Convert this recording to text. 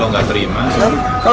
kalau gak terima